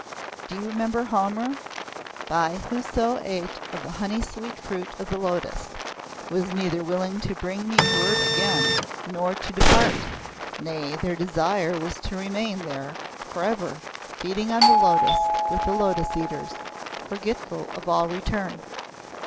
Do you remember Homer 'But whoso ate of the honey sweet fruit of the lotus, was neither willing to bring me word again, nor to depart. Nay, their desire was to remain there for ever, feeding on the lotus with the Lotus Eaters, forgetful of all return.